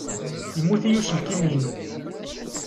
Yemmut-iyi uselkim-inu.